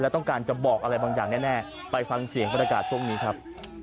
ต้องการจะบอกอะไรบางอย่างแน่ไปฟังเสียงบรรยากาศช่วงนี้ครับ